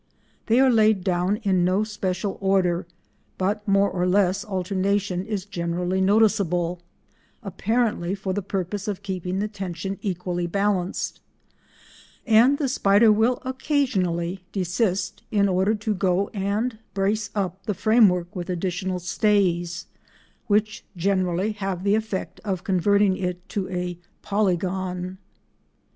They are laid down in no special order, but more or less alternation is generally noticeable—apparently for the purpose of keeping the tension equally balanced—and the spider will occasionally desist in order to go and brace up the frame work with additional stays, which generally have the effect of converting it to a polygon.